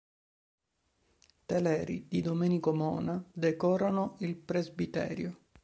Teleri di Domenico Mona decorano il presbiterio.